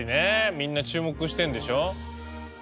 みんな注目してんでしょ。